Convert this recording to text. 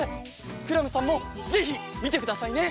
クラムさんもぜひみてくださいね！